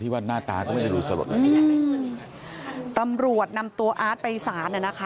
ว่าหน้าตาก็ไม่ได้ดูสลดแบบนี้ตำรวจนำตัวอาร์ตไปสารน่ะนะคะ